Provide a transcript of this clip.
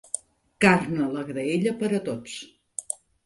Carn a la graella per a tots